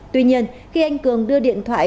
tuy nhiên khi anh cường đưa điện thoại